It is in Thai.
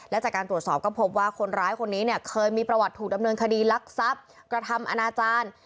และจากการตรวจสอบก็พบว่าคนร้ายคนนี้เนี่ยเคยมีประวัติถูกดำเนินคดีลักทรัพย์กระทำอนาจารย์